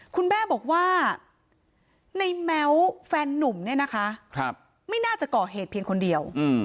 คุณแม่บอกว่าในแม้วแฟนนุ่มเนี่ยนะคะไม่น่าจะก่อเหตุเพียงคนเดียว